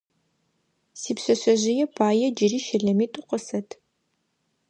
Сипшъэшъэжъые пае джыри щэлэмитӏу къысэт.